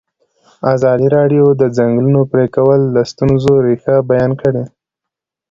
ازادي راډیو د د ځنګلونو پرېکول د ستونزو رېښه بیان کړې.